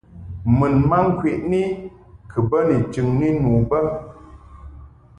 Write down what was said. Mun ma ŋkwəni kɨ bə ni chɨŋni nu bə.